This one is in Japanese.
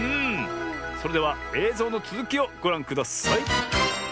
それではえいぞうのつづきをごらんください。